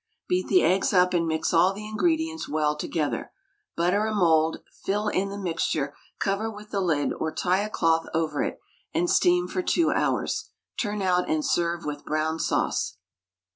Beat the eggs up and mix all the ingredients well together; butter a mould. Fill in the mixture, cover with the lid or tie a cloth over it, and steam for 2 hours. Turn out, and serve with brown sauce.